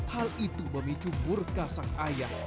hal itu memicu murka sang ayah